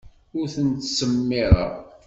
Ur ten-ttsemmiṛeɣ.